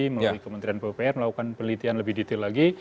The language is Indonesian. melalui kementerian pupr melakukan penelitian lebih detail lagi